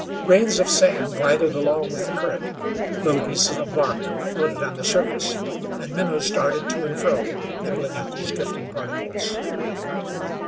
Grains of sand glided along with the current, little pieces of bark floated on the surface, and minnows darted to and fro nibbling at these drifting particles.